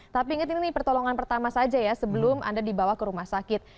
tapi ingat ini pertolongan pertama saja ya sebelum anda dibawa ke rumah sakit